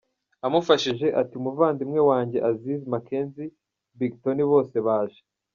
abamufashije ati Umuvandimwe wanjye Aziz, McKenzie, Big Tonny bose baje.